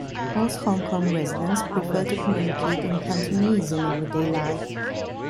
Most Hong Kong residents prefer to communicate in Cantonese in everyday life.